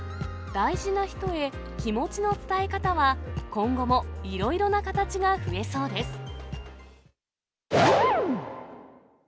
大事な人へ、気持ちの伝え方は、今後もいろいろな形が増えそうです。